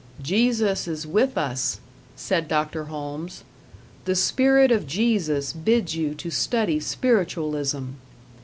"Jesus is with us", said Dr. Holmes. "The spirit of Jesus bids you to study spiritualism."